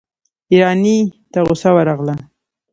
ايراني ته غصه ورغله.